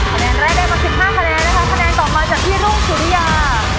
คะแนนแรกได้มา๑๕คะแนนนะคะคะแนนต่อมาจากพี่รุ่งสุริยา